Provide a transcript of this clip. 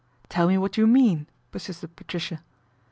" Tell me what you mean," persisted Patricia.